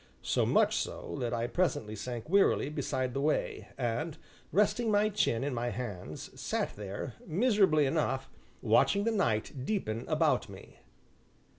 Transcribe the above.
So much so that I presently sank wearily beside the way, and, resting my chin in my hands, sat there, miserably enough, watching the night deepen about me.